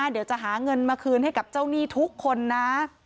เดี๋ยวจะหาเงินมาคืนให้กับเจ้าหนี้ทุกคนนะ